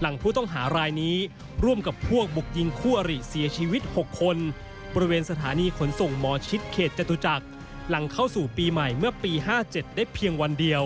หลังผู้ต้องหารายนี้ร่วมกับพวกบุกยิงคู่อริเสียชีวิต๖คนบริเวณสถานีขนส่งหมอชิดเขตจตุจักรหลังเข้าสู่ปีใหม่เมื่อปี๕๗ได้เพียงวันเดียว